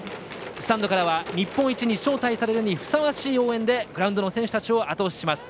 スタンドからは日本一に招待されるにふさわしい応援でグラウンドの選手たちをあと押しします。